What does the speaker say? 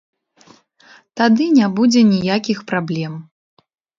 Тады не будзе ніякіх праблем.